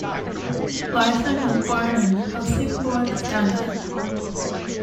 Larsson was born in Helsingborg, Scania.